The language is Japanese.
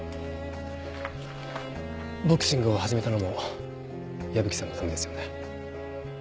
ボクシングを始めたのも矢吹さんのためですよね？